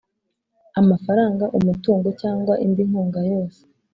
amafaranga , umutungo cyangwa indi nkunga yose